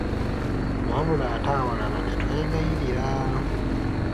Wabula ate awalala ne twegayirira.